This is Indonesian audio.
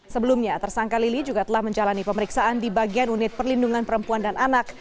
sebelumnya tersangka lili juga telah menjalani pemeriksaan di bagian unit perlindungan perempuan dan anak